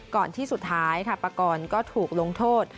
ก่อนที่สุดท้ายค่ะปากรก็ถูกลงโทษ